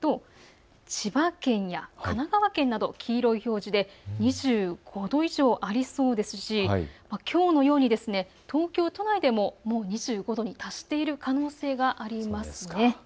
千葉県や神奈川県など黄色い表示で２５度以上ありそうですしきょうのように東京都内でももう２５度に達している可能性があります。